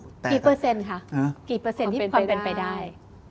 กี่เปอร์เซ็นต์ค่ะที่ความเป็นไปได้